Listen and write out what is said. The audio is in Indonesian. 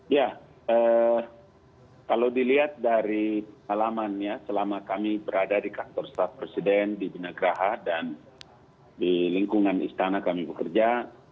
ya kalau dilihat dari alamannya selama kami berada di kantor staf presiden di binagraha dan di lingkungan istana kami bekerja